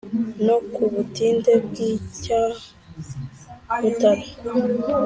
no ku butinde bw’icya mutara